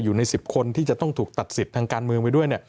อยู่ใน๑๐คนที่จะต้องถูกตัดสิทธิ์ทางการเมืองไว้ด้วย